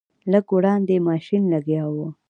لږ وړاندې ماشین لګیا و.